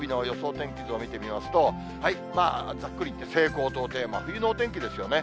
天気図を見てみますと、ざっくり言って西高東低、真冬のお天気ですよね。